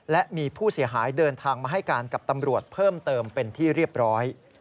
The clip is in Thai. และมีผู้เสียหายเดินทางมาให้การกับตำรวจเพิ่มเติมเป็นที่เรียบร้อย